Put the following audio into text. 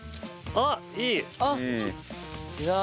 あっいい！